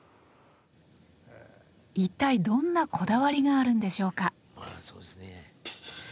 一体どんなこだわりがあるんでしょうか？